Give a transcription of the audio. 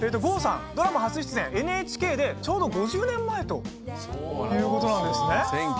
ドラマ初出演はＮＨＫでちょうど５０年前ということなんですね。